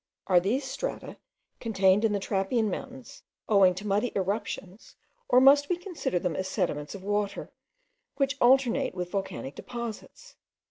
Are these strata, contained in the trappean mountains, owing to muddy irruptions, or must we consider them as sediments of water, which alternate with volcanic deposits?